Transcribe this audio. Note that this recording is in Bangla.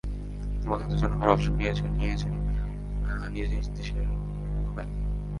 তার মধ্যে দুজন আবার অবসর নিয়ে নিয়েছেন নিজ নিজ দেশের হয়ে।